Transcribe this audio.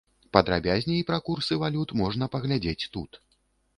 Падрабязней пра курсы валют можна паглядзець тут.